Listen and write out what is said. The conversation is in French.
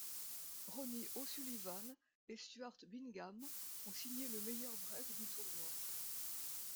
Ronnie O'Sullivan et Stuart Bingham on signé le meilleurs break du tournoi.